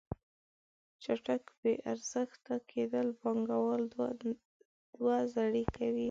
چټک بې ارزښته کیدل پانګوال دوه زړې کوي.